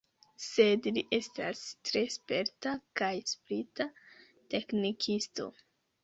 Sed li estas tre sperta kaj sprita teknikisto.